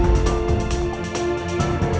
saya sudah selesai mencari